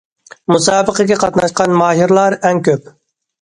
مۇسابىقىگە قاتناشقان ماھىرلار ئەڭ كۆپ.